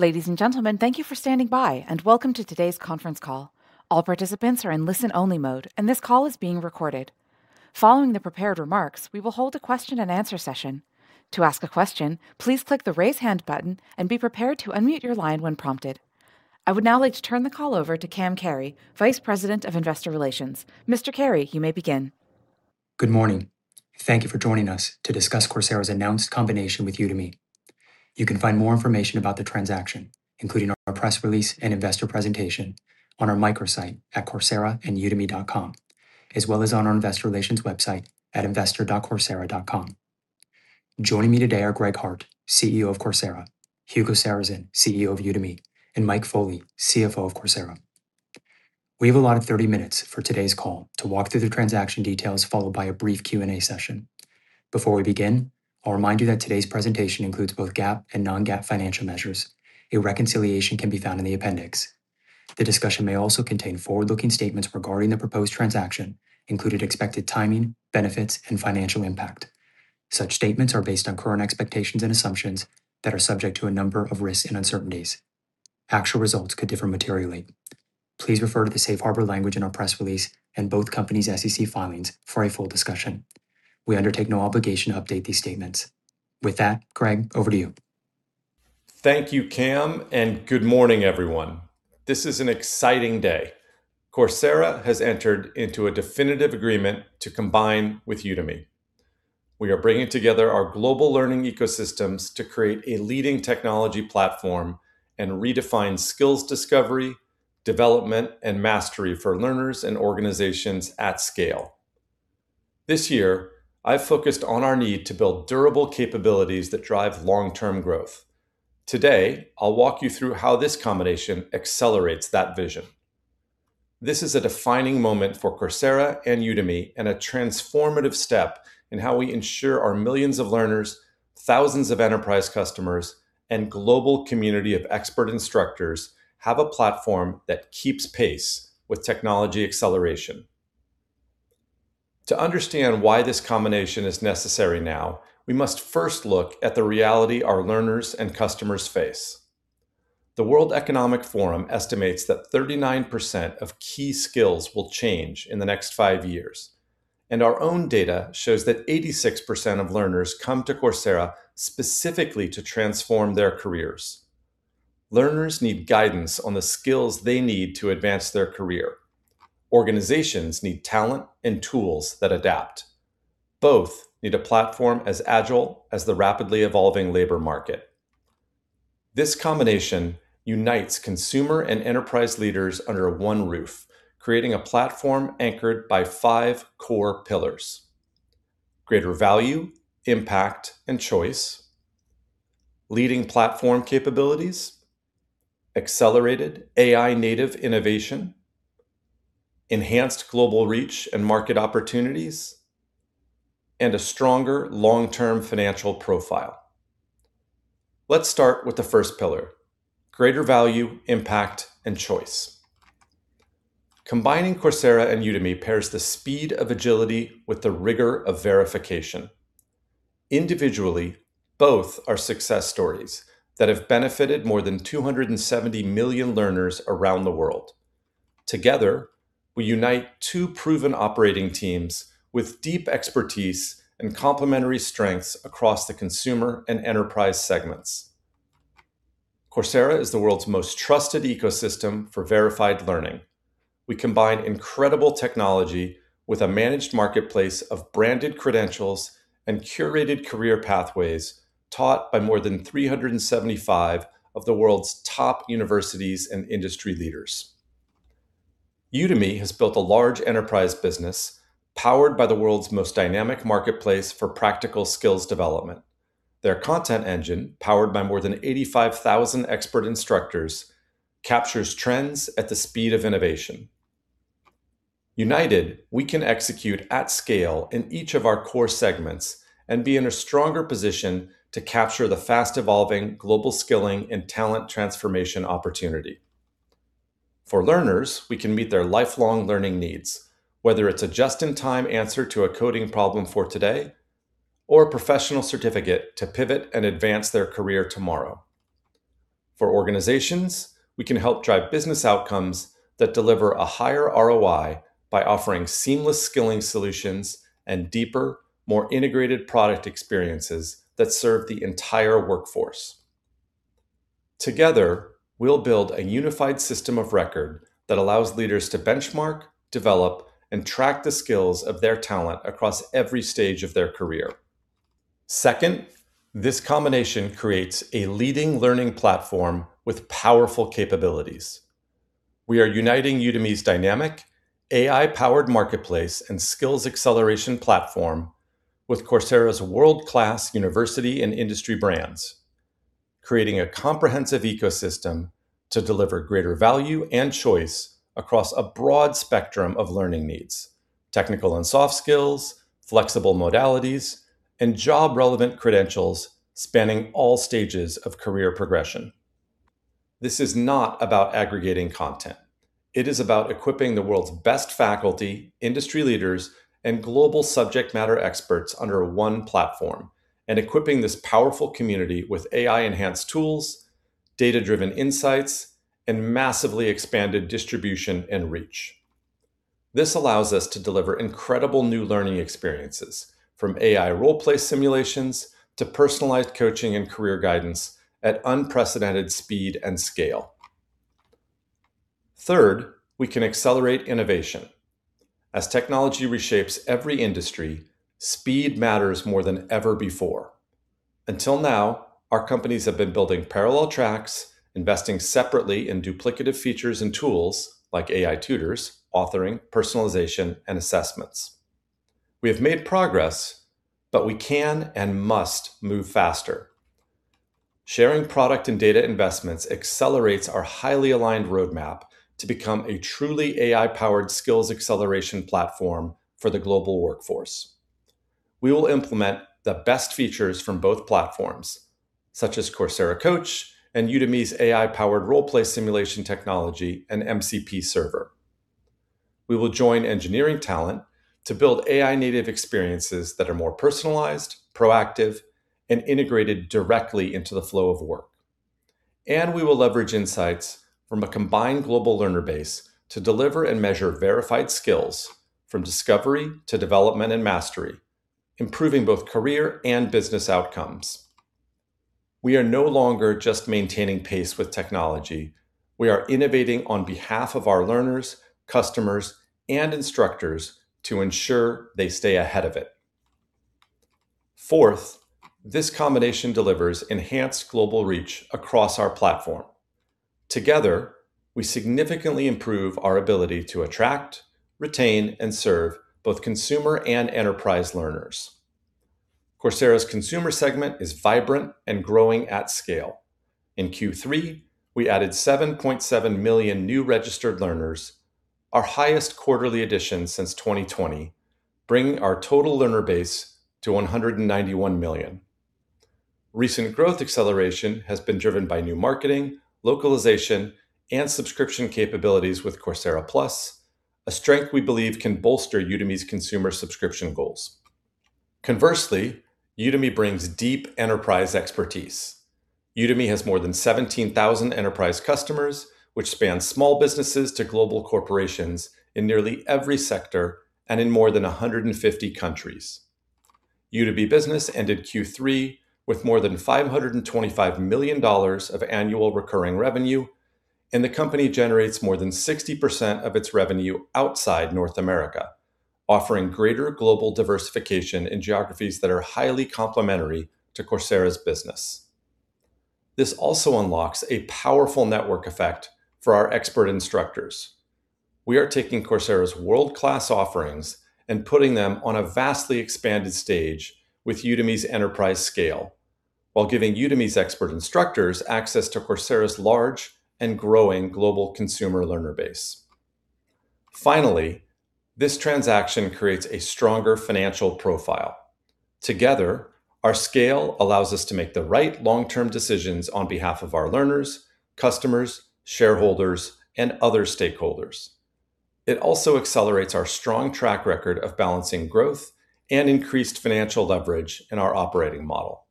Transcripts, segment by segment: Ladies and gentlemen, thank you for standing by, and welcome to today's conference call. All participants are in listen-only mode, and this call is being recorded. Following the prepared remarks, we will hold a question-and-answer session. To ask a question, please click the Raise Hand button and be prepared to unmute your line when prompted. I would now like to turn the call over to Cam Carey, Vice President of Investor Relations. Mr. Carey, you may begin. Good morning. Thank you for joining us to discuss Coursera's announced combination with Udemy. You can find more information about the transaction, including our press release and investor presentation, on our microsite at courseraandudemy.com, as well as on our Investor Relations website at investor.coursera.com. Joining me today are Greg Hart, CEO of Coursera, Hugo Sarrazin, CEO of Udemy, and Mike Foley, CFO of Coursera. We have allotted 30 minutes for today's call to walk through the transaction details, followed by a brief Q&A session. Before we begin, I'll remind you that today's presentation includes both GAAP and non-GAAP financial measures. A reconciliation can be found in the appendix. The discussion may also contain forward-looking statements regarding the proposed transaction, including expected timing, benefits, and financial impact. Such statements are based on current expectations and assumptions that are subject to a number of risks and uncertainties. Actual results could differ materially. Please refer to the safe harbor language in our press release and both companies' SEC filings for a full discussion. We undertake no obligation to update these statements. With that, Greg, over to you. Thank you, Cam, and good morning, everyone. This is an exciting day. Coursera has entered into a definitive agreement to combine with Udemy. We are bringing together our global learning ecosystems to create a leading technology platform and redefine skills discovery, development, and mastery for learners and organizations at scale. This year, I've focused on our need to build durable capabilities that drive long-term growth. Today, I'll walk you through how this combination accelerates that vision. This is a defining moment for Coursera and Udemy and a transformative step in how we ensure our millions of learners, thousands of enterprise customers, and global community of expert instructors have a platform that keeps pace with technology acceleration. To understand why this combination is necessary now, we must first look at the reality our learners and customers face. The World Economic Forum estimates that 39% of key skills will change in the next five years, and our own data shows that 86% of learners come to Coursera specifically to transform their careers. Learners need guidance on the skills they need to advance their career. Organizations need talent and tools that adapt. Both need a platform as agile as the rapidly evolving labor market. This combination unites consumer and enterprise leaders under one roof, creating a platform anchored by five core pillars: greater value, impact, and choice. Leading platform capabilities. Accelerated AI-native innovation. Enhanced global reach and market opportunities. And a stronger long-term financial profile. Let's start with the first pillar: greater value, impact, and choice. Combining Coursera and Udemy pairs the speed of agility with the rigor of verification. Individually, both are success stories that have benefited more than 270 million learners around the world. Together, we unite two proven operating teams with deep expertise and complementary strengths across the consumer and enterprise segments. Coursera is the world's most trusted ecosystem for verified learning. We combine incredible technology with a managed marketplace of branded credentials and curated career pathways taught by more than 375 of the world's top universities and industry leaders. Udemy has built a large enterprise business powered by the world's most dynamic marketplace for practical skills development. Their content engine, powered by more than 85,000 expert instructors, captures trends at the speed of innovation. United, we can execute at scale in each of our core segments and be in a stronger position to capture the fast-evolving global skilling and talent transformation opportunity. For learners, we can meet their lifelong learning needs, whether it's a just-in-time answer to a coding problem for today or a professional certificate to pivot and advance their career tomorrow. For organizations, we can help drive business outcomes that deliver a higher ROI by offering seamless skilling solutions and deeper, more integrated product experiences that serve the entire workforce. Together, we'll build a unified system of record that allows leaders to benchmark, develop, and track the skills of their talent across every stage of their career. Second, this combination creates a leading learning platform with powerful capabilities. We are uniting Udemy's dynamic AI-powered marketplace and skills acceleration platform with Coursera's world-class university and industry brands, creating a comprehensive ecosystem to deliver greater value and choice across a broad spectrum of learning needs: technical and soft skills, flexible modalities, and job-relevant credentials spanning all stages of career progression. This is not about aggregating content. It is about equipping the world's best faculty, industry leaders, and global subject matter experts under one platform and equipping this powerful community with AI-enhanced tools, data-driven insights, and massively expanded distribution and reach. This allows us to deliver incredible new learning experiences, from AI role-play simulations to personalized coaching and career guidance at unprecedented speed and scale. Third, we can accelerate innovation. As technology reshapes every industry, speed matters more than ever before. Until now, our companies have been building parallel tracks, investing separately in duplicative features and tools like AI tutors, authoring, personalization, and assessments. We have made progress, but we can and must move faster. Sharing product and data investments accelerates our highly aligned roadmap to become a truly AI-powered skills acceleration platform for the global workforce. We will implement the best features from both platforms, such as Coursera Coach and Udemy's AI-powered role-play simulation technology and MCP server. We will join engineering talent to build AI-native experiences that are more personalized, proactive, and integrated directly into the flow of work, and we will leverage insights from a combined global learner base to deliver and measure verified skills from discovery to development and mastery, improving both career and business outcomes. We are no longer just maintaining pace with technology. We are innovating on behalf of our learners, customers, and instructors to ensure they stay ahead of it. Fourth, this combination delivers enhanced global reach across our platform. Together, we significantly improve our ability to attract, retain, and serve both consumer and enterprise learners. Coursera's consumer segment is vibrant and growing at scale. In Q3, we added 7.7 million new registered learners, our highest quarterly addition since 2020, bringing our total learner base to 191 million. Recent growth acceleration has been driven by new marketing, localization, and subscription capabilities with Coursera Plus, a strength we believe can bolster Udemy's consumer subscription goals. Conversely, Udemy brings deep enterprise expertise. Udemy has more than 17,000 enterprise customers, which spans small businesses to global corporations in nearly every sector and in more than 150 countries. Udemy Business ended Q3 with more than $525 million of annual recurring revenue, and the company generates more than 60% of its revenue outside North America, offering greater global diversification in geographies that are highly complementary to Coursera's business. This also unlocks a powerful network effect for our expert instructors. We are taking Coursera's world-class offerings and putting them on a vastly expanded stage with Udemy's enterprise scale, while giving Udemy's expert instructors access to Coursera's large and growing global consumer learner base. Finally, this transaction creates a stronger financial profile. Together, our scale allows us to make the right long-term decisions on behalf of our learners, customers, shareholders, and other stakeholders. It also accelerates our strong track record of balancing growth and increased financial leverage in our operating model.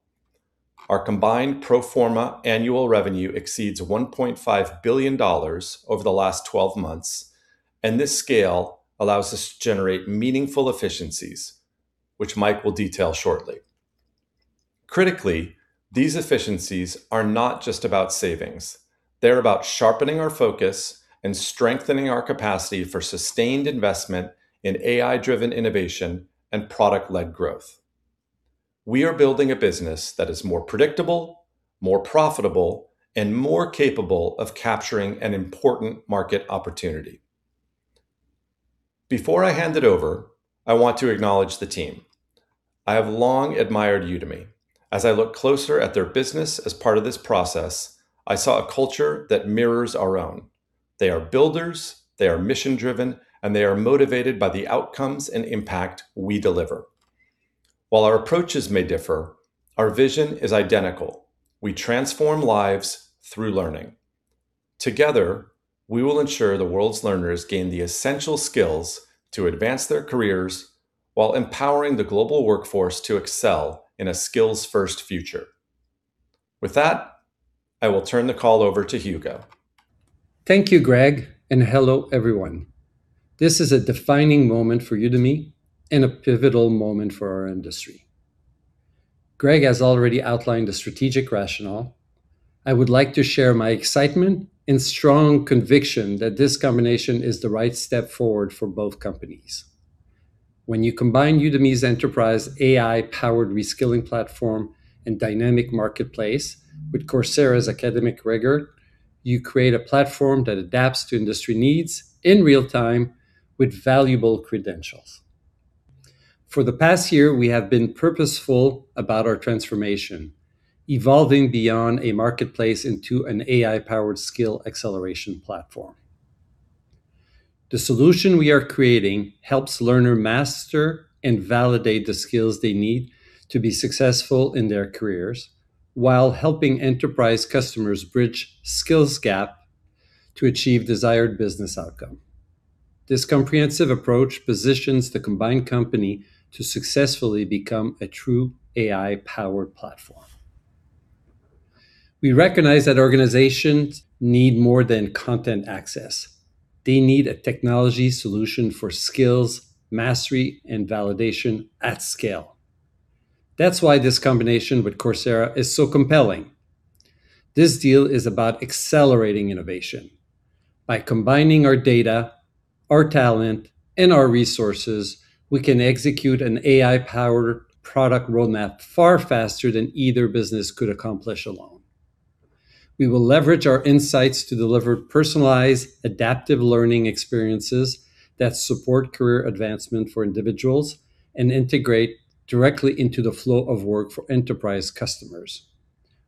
Our combined pro forma annual revenue exceeds $1.5 billion over the last 12 months, and this scale allows us to generate meaningful efficiencies, which Mike will detail shortly. Critically, these efficiencies are not just about savings. They're about sharpening our focus and strengthening our capacity for sustained investment in AI-driven innovation and product-led growth. We are building a business that is more predictable, more profitable, and more capable of capturing an important market opportunity. Before I hand it over, I want to acknowledge the team. I have long admired Udemy. As I look closer at their business as part of this process, I saw a culture that mirrors our own. They are builders. They are mission-driven, and they are motivated by the outcomes and impact we deliver. While our approaches may differ, our vision is identical. We transform lives through learning. Together, we will ensure the world's learners gain the essential skills to advance their careers while empowering the global workforce to excel in a skills-first future. With that, I will turn the call over to Hugo. Thank you, Greg, and hello, everyone. This is a defining moment for Udemy and a pivotal moment for our industry. Greg has already outlined a strategic rationale. I would like to share my excitement and strong conviction that this combination is the right step forward for both companies. When you combine Udemy's enterprise AI-powered reskilling platform and dynamic marketplace with Coursera's academic rigor, you create a platform that adapts to industry needs in real time with valuable credentials. For the past year, we have been purposeful about our transformation, evolving beyond a marketplace into an AI-powered skill acceleration platform. The solution we are creating helps learners master and validate the skills they need to be successful in their careers while helping enterprise customers bridge skills gaps to achieve desired business outcomes. This comprehensive approach positions the combined company to successfully become a true AI-powered platform. We recognize that organizations need more than content access. They need a technology solution for skills, mastery, and validation at scale. That's why this combination with Coursera is so compelling. This deal is about accelerating innovation. By combining our data, our talent, and our resources, we can execute an AI-powered product roadmap far faster than either business could accomplish alone. We will leverage our insights to deliver personalized, adaptive learning experiences that support career advancement for individuals and integrate directly into the flow of work for enterprise customers.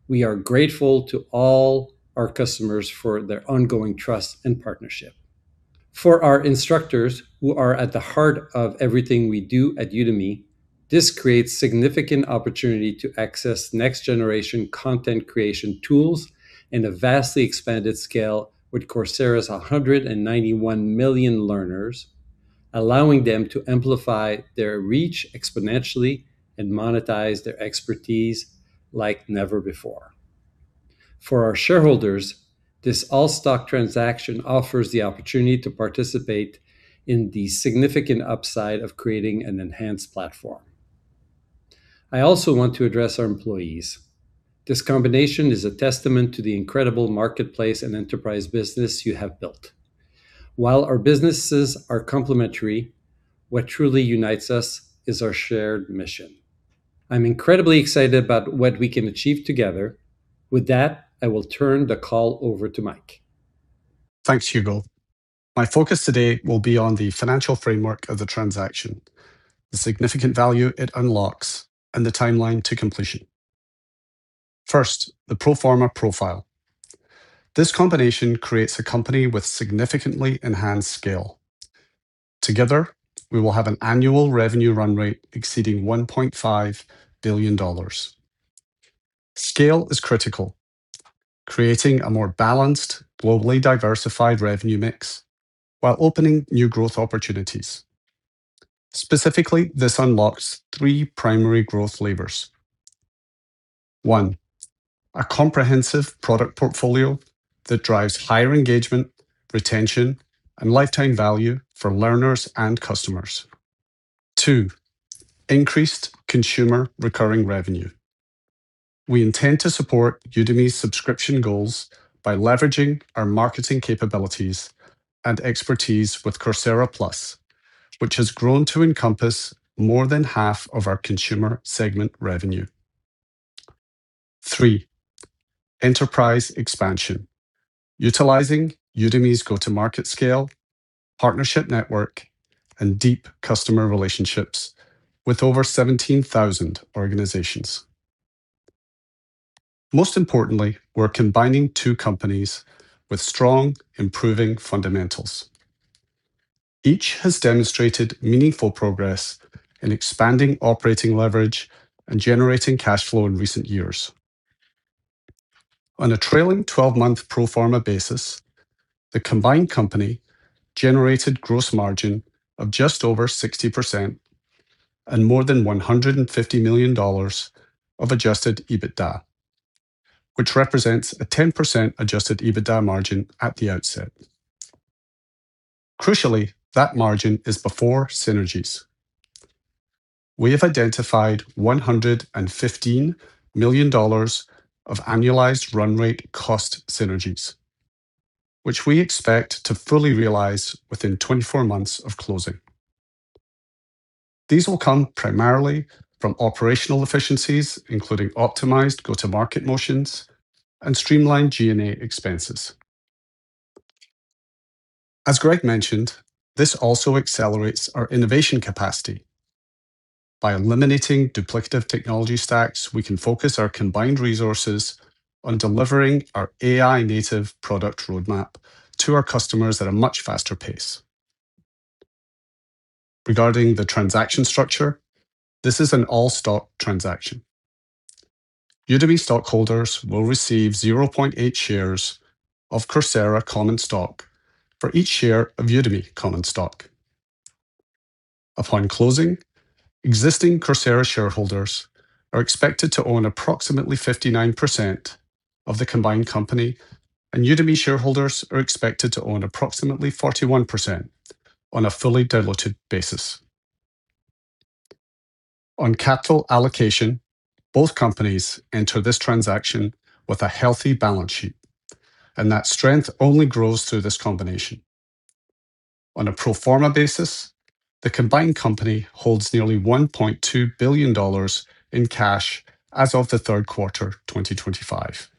We are grateful to all our customers for their ongoing trust and partnership. For our instructors, who are at the heart of everything we do at Udemy, this creates significant opportunity to access next-generation content creation tools in a vastly expanded scale with Coursera's 191 million learners, allowing them to amplify their reach exponentially and monetize their expertise like never before. For our shareholders, this all-stock transaction offers the opportunity to participate in the significant upside of creating an enhanced platform. I also want to address our employees. This combination is a testament to the incredible marketplace and enterprise business you have built. While our businesses are complementary, what truly unites us is our shared mission. I'm incredibly excited about what we can achieve together. With that, I will turn the call over to Mike. Thanks, Hugo. My focus today will be on the financial framework of the transaction, the significant value it unlocks, and the timeline to completion. First, the pro forma profile. This combination creates a company with significantly enhanced scale. Together, we will have an annual revenue run rate exceeding $1.5 billion. Scale is critical, creating a more balanced, globally diversified revenue mix while opening new growth opportunities. Specifically, this unlocks three primary growth levers. One, a comprehensive product portfolio that drives higher engagement, retention, and lifetime value for learners and customers. Two, increased consumer recurring revenue. We intend to support Udemy's subscription goals by leveraging our marketing capabilities and expertise with Coursera Plus, which has grown to encompass more than half of our consumer segment revenue. Three, enterprise expansion, utilizing Udemy's go-to-market scale, partnership network, and deep customer relationships with over 17,000 organizations. Most importantly, we're combining two companies with strong, improving fundamentals. Each has demonstrated meaningful progress in expanding operating leverage and generating cash flow in recent years. On a trailing 12-month pro forma basis, the combined company generated gross margin of just over 60% and more than $150 million of adjusted EBITDA, which represents a 10% adjusted EBITDA margin at the outset. Crucially, that margin is before synergies. We have identified $115 million of annualized run rate cost synergies, which we expect to fully realize within 24 months of closing. These will come primarily from operational efficiencies, including optimized go-to-market motions and streamlined G&A expenses. As Greg mentioned, this also accelerates our innovation capacity. By eliminating duplicative technology stacks, we can focus our combined resources on delivering our AI-native product roadmap to our customers at a much faster pace. Regarding the transaction structure, this is an all-stock transaction. Udemy stockholders will receive 0.8 shares of Coursera common stock for each share of Udemy common stock. Upon closing, existing Coursera shareholders are expected to own approximately 59% of the combined company, and Udemy shareholders are expected to own approximately 41% on a fully diluted basis. On capital allocation, both companies enter this transaction with a healthy balance sheet, and that strength only grows through this combination. On a pro forma basis, the combined company holds nearly $1.2 billion in cash as of the third quarter 2025.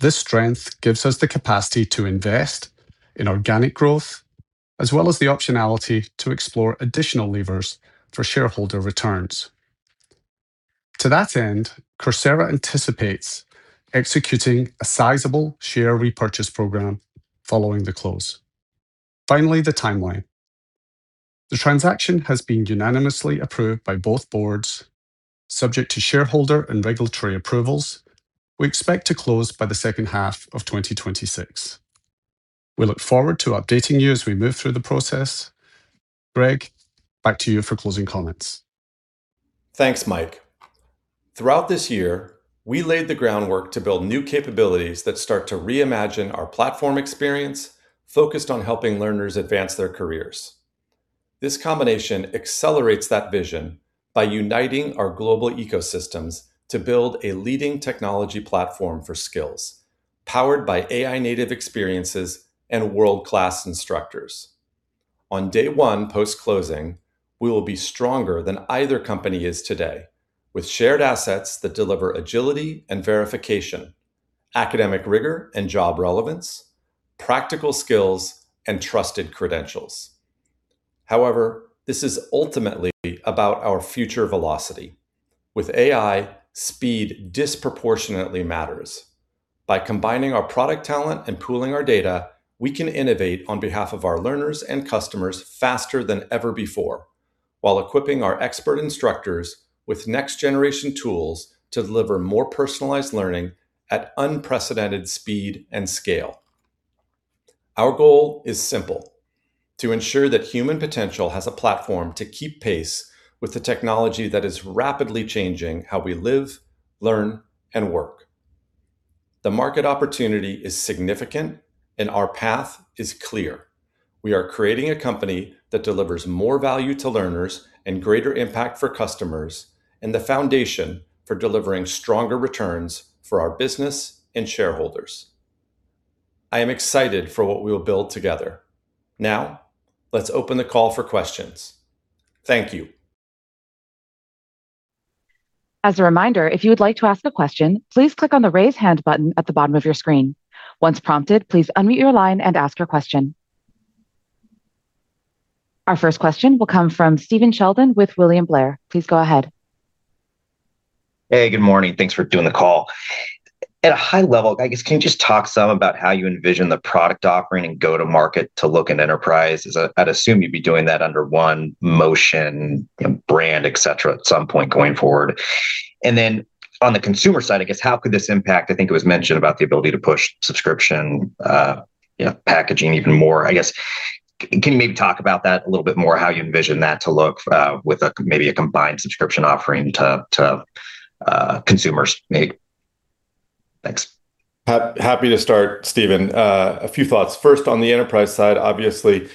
This strength gives us the capacity to invest in organic growth, as well as the optionality to explore additional levers for shareholder returns. To that end, Coursera anticipates executing a sizable share repurchase program following the close. Finally, the timeline. The transaction has been unanimously approved by both boards, subject to shareholder and regulatory approvals. We expect to close by the second half of 2026. We look forward to updating you as we move through the process. Greg, back to you for closing comments. Thanks, Mike. Throughout this year, we laid the groundwork to build new capabilities that start to reimagine our platform experience, focused on helping learners advance their careers. This combination accelerates that vision by uniting our global ecosystems to build a leading technology platform for skills, powered by AI-native experiences and world-class instructors. On day one post-closing, we will be stronger than either company is today, with shared assets that deliver agility and verification, academic rigor and job relevance, practical skills, and trusted credentials. However, this is ultimately about our future velocity. With AI, speed disproportionately matters. By combining our product talent and pooling our data, we can innovate on behalf of our learners and customers faster than ever before, while equipping our expert instructors with next-generation tools to deliver more personalized learning at unprecedented speed and scale. Our goal is simple: to ensure that human potential has a platform to keep pace with the technology that is rapidly changing how we live, learn, and work. The market opportunity is significant, and our path is clear. We are creating a company that delivers more value to learners and greater impact for customers, and the foundation for delivering stronger returns for our business and shareholders. I am excited for what we will build together. Now, let's open the call for questions. Thank you. As a reminder, if you would like to ask a question, please click on the Raise Hand button at the bottom of your screen. Once prompted, please unmute your line and ask your question. Our first question will come from Stephen Sheldon with William Blair. Please go ahead. Hey, good morning. Thanks for doing the call. At a high level, I guess, can you just talk some about how you envision the product offering and go-to-market to look at enterprise? I'd assume you'd be doing that under one motion, brand, et cetera, at some point going forward, and then on the consumer side, I guess, how could this impact? I think it was mentioned about the ability to push subscription packaging even more. I guess, can you maybe talk about that a little bit more, how you envision that to look with maybe a combined subscription offering to consumers? Thanks. Happy to start, Stephen. A few thoughts. First, on the enterprise side, obviously,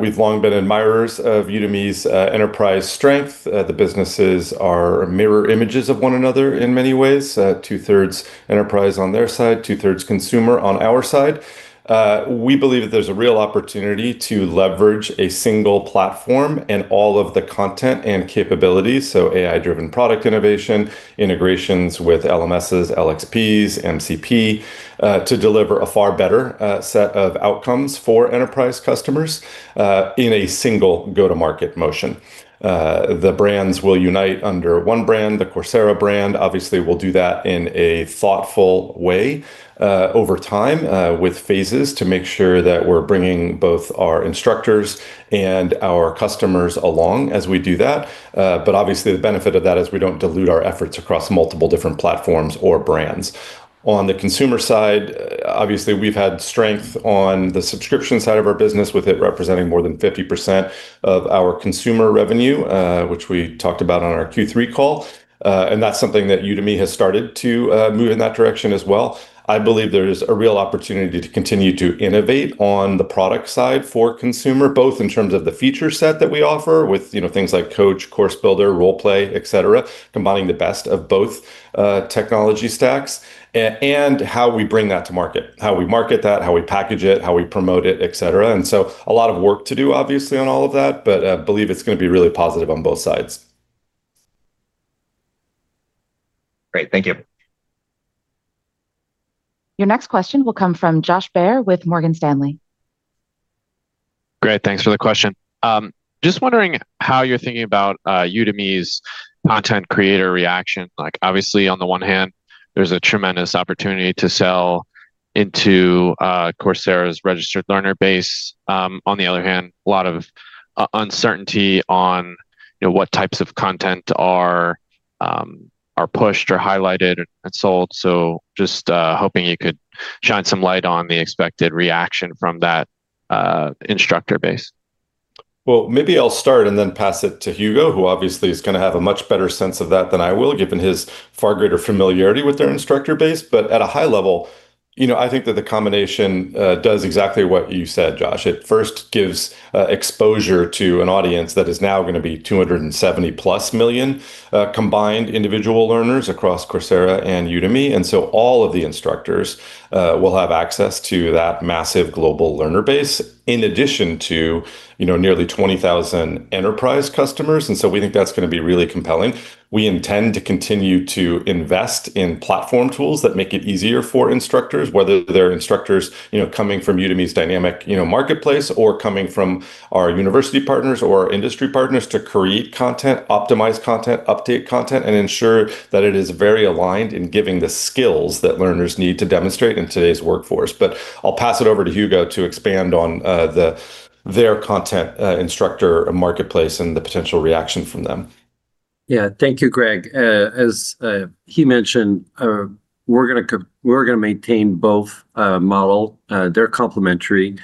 we've long been admirers of Udemy's enterprise strength. The businesses are mirror images of one another in many ways. Two-thirds enterprise on their side, two-thirds consumer on our side. We believe that there's a real opportunity to leverage a single platform and all of the content and capabilities, so AI-driven product innovation, integrations with LMSs, LXPs, MCP, to deliver a far better set of outcomes for enterprise customers in a single go-to-market motion. The brands will unite under one brand, the Coursera brand. Obviously, we'll do that in a thoughtful way over time with phases to make sure that we're bringing both our instructors and our customers along as we do that. But obviously, the benefit of that is we don't dilute our efforts across multiple different platforms or brands. On the consumer side, obviously, we've had strength on the subscription side of our business, with it representing more than 50% of our consumer revenue, which we talked about on our Q3 call, and that's something that Udemy has started to move in that direction as well. I believe there is a real opportunity to continue to innovate on the product side for consumer, both in terms of the feature set that we offer with things like Coach, Course Builder, Role Play, et cetera, combining the best of both technology stacks, and how we bring that to market, how we market that, how we package it, how we promote it, et cetera, and so a lot of work to do, obviously, on all of that, but I believe it's going to be really positive on both sides. Great. Thank you. Your next question will come from Josh Baer with Morgan Stanley. Great. Thanks for the question. Just wondering how you're thinking about Udemy's content creator reaction. Obviously, on the one hand, there's a tremendous opportunity to sell into Coursera's registered learner base. On the other hand, a lot of uncertainty on what types of content are pushed or highlighted and sold. So just hoping you could shine some light on the expected reaction from that instructor base. Maybe I'll start and then pass it to Hugo, who obviously is going to have a much better sense of that than I will, given his far greater familiarity with their instructor base. At a high level, I think that the combination does exactly what you said, Josh. It first gives exposure to an audience that is now going to be 270+ million combined individual learners across Coursera and Udemy. All of the instructors will have access to that massive global learner base, in addition to nearly 20,000 enterprise customers. We think that's going to be really compelling. We intend to continue to invest in platform tools that make it easier for instructors, whether they're instructors coming from Udemy's dynamic marketplace or coming from our university partners or our industry partners, to create content, optimize content, update content, and ensure that it is very aligned in giving the skills that learners need to demonstrate in today's workforce. But I'll pass it over to Hugo to expand on their content instructor marketplace and the potential reaction from them. Yeah, thank you, Greg. As he mentioned, we're going to maintain both models. They're complementary.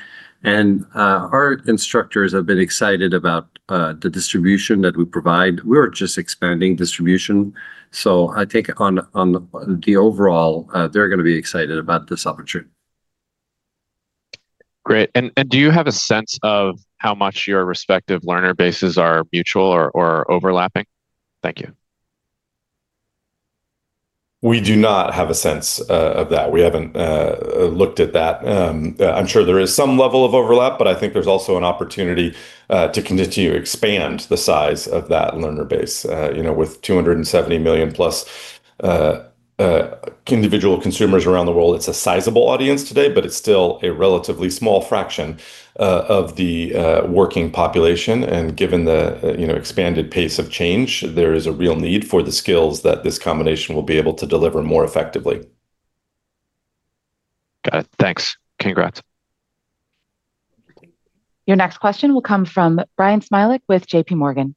And our instructors have been excited about the distribution that we provide. We're just expanding distribution. So I think on the overall, they're going to be excited about this opportunity. Great. And do you have a sense of how much your respective learner bases are mutual or overlapping? Thank you. We do not have a sense of that. We haven't looked at that. I'm sure there is some level of overlap, but I think there's also an opportunity to continue to expand the size of that learner base. With 270 million+ individual consumers around the world, it's a sizable audience today, but it's still a relatively small fraction of the working population, and given the expanded pace of change, there is a real need for the skills that this combination will be able to deliver more effectively. Got it. Thanks. Congrats. Your next question will come from Bryan Smilek with JPMorgan.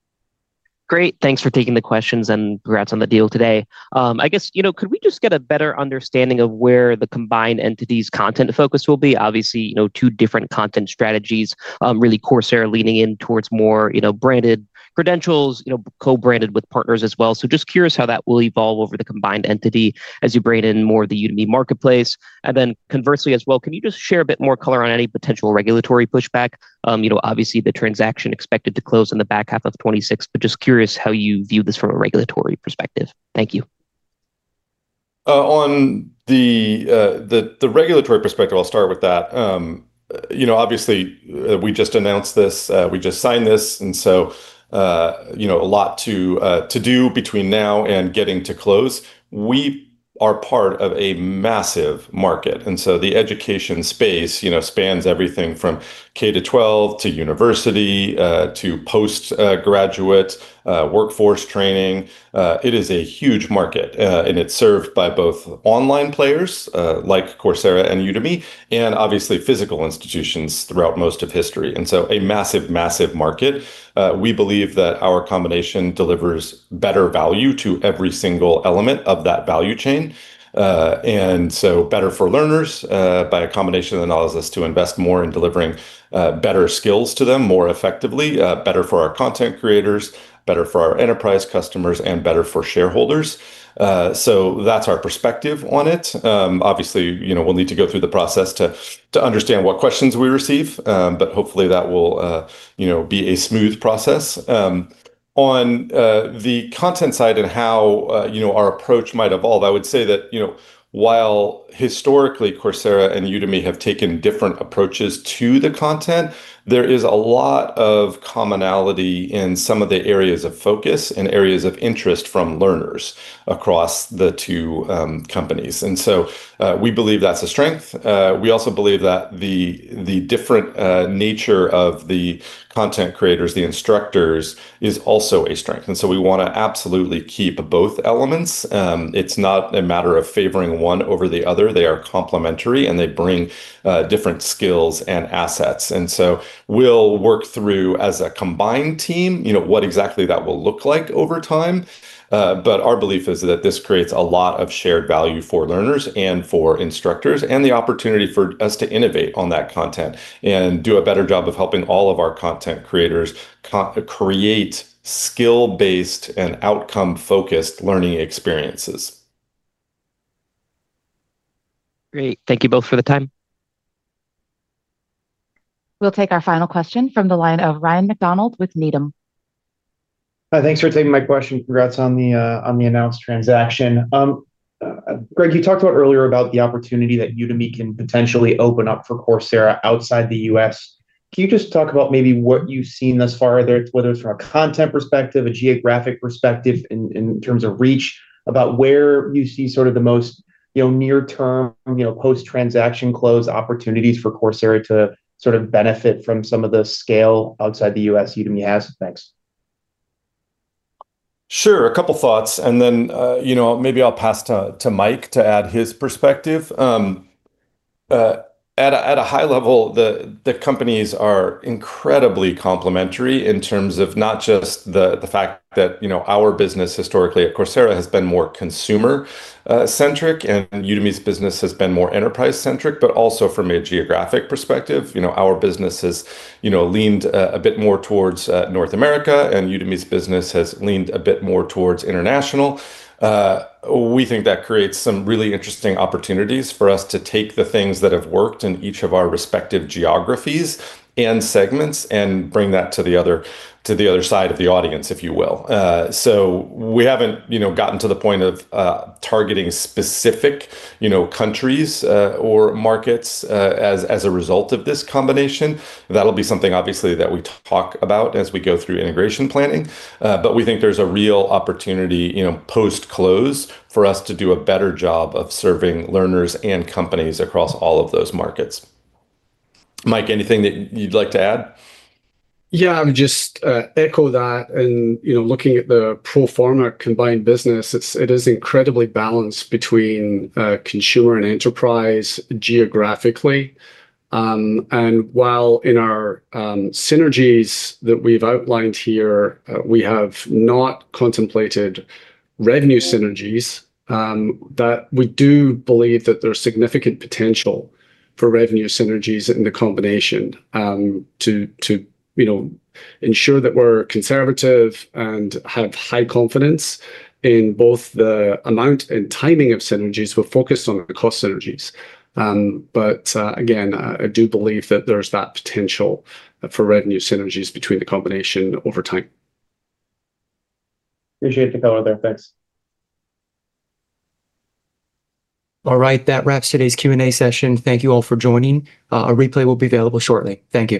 Great. Thanks for taking the questions and congrats on the deal today. I guess, could we just get a better understanding of where the combined entity's content focus will be? Obviously, two different content strategies, really Coursera leaning in towards more branded credentials, co-branded with partners as well. So just curious how that will evolve over the combined entity as you bring in more of the Udemy marketplace. And then conversely as well, can you just share a bit more color on any potential regulatory pushback? Obviously, the transaction expected to close in the back half of 2026, but just curious how you view this from a regulatory perspective. Thank you. On the regulatory perspective, I'll start with that. Obviously, we just announced this. We just signed this, and so a lot to do between now and getting to close. We are part of a massive market, and so the education space spans everything from K-12 to university to postgraduate workforce training. It is a huge market, and it's served by both online players like Coursera and Udemy, and obviously physical institutions throughout most of history, and so a massive, massive market. We believe that our combination delivers better value to every single element of that value chain, and so better for learners by a combination that allows us to invest more in delivering better skills to them more effectively, better for our content creators, better for our enterprise customers, and better for shareholders, so that's our perspective on it. Obviously, we'll need to go through the process to understand what questions we receive, but hopefully that will be a smooth process. On the content side and how our approach might evolve, I would say that while historically Coursera and Udemy have taken different approaches to the content, there is a lot of commonality in some of the areas of focus and areas of interest from learners across the two companies, and so we believe that's a strength. We also believe that the different nature of the content creators, the instructors, is also a strength, and so we want to absolutely keep both elements. It's not a matter of favoring one over the other. They are complementary, and they bring different skills and assets, and so we'll work through as a combined team what exactly that will look like over time. But our belief is that this creates a lot of shared value for learners and for instructors and the opportunity for us to innovate on that content and do a better job of helping all of our content creators create skill-based and outcome-focused learning experiences. Great. Thank you both for the time. We'll take our final question from the line of Ryan MacDonald with Needham. Thanks for taking my question. Congrats on the announced transaction. Greg, you talked about earlier about the opportunity that Udemy can potentially open up for Coursera outside the U.S. Can you just talk about maybe what you've seen thus far, whether it's from a content perspective, a geographic perspective in terms of reach, about where you see sort of the most near-term post-transaction close opportunities for Coursera to sort of benefit from some of the scale outside the U.S. Udemy has? Thanks. Sure. A couple of thoughts. And then maybe I'll pass to Mike to add his perspective. At a high level, the companies are incredibly complementary in terms of not just the fact that our business historically at Coursera has been more consumer-centric and Udemy's business has been more enterprise-centric, but also from a geographic perspective. Our business has leaned a bit more towards North America and Udemy's business has leaned a bit more towards international. We think that creates some really interesting opportunities for us to take the things that have worked in each of our respective geographies and segments and bring that to the other side of the audience, if you will. So we haven't gotten to the point of targeting specific countries or markets as a result of this combination. That'll be something, obviously, that we talk about as we go through integration planning. But we think there's a real opportunity post-close for us to do a better job of serving learners and companies across all of those markets. Mike, anything that you'd like to add? Yeah, I would just echo that. And looking at the pro forma combined business, it is incredibly balanced between consumer and enterprise geographically. And while in our synergies that we've outlined here, we have not contemplated revenue synergies, we do believe that there's significant potential for revenue synergies in the combination. To ensure that we're conservative and have high confidence in both the amount and timing of synergies, we're focused on the cost synergies. But again, I do believe that there's that potential for revenue synergies between the combination over time. Appreciate the color there. Thanks. All right. That wraps today's Q&A session. Thank you all for joining. A replay will be available shortly. Thank you.